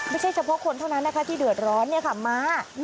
ไม่ใช่เฉพาะคนเท่านั้นนะคะที่เดือดร้อนมา